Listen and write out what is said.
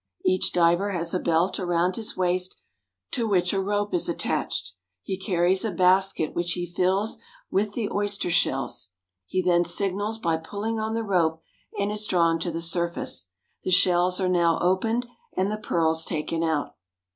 Each diver has a belt around his waist to which a rope is attached. He carries a basket which he fills with the oys (334) Two Little Arabians. ARABIA, OR LIFE IN THE DESERT 335 ter shells. He then signals by pulling on the rope, and is drawn to the surface. The shells are now opened, and the pearls taken out.